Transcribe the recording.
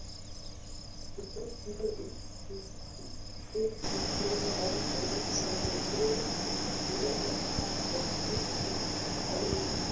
Kutoka Juventus kwenda Real Madrid uliweka rekodi ya dunia